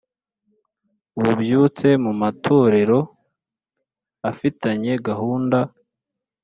ububyutse mu matorero afitanye gahunda